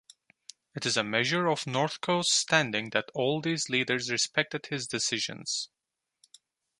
It is a measure of Northcote's standing that all these leaders respected his decisions.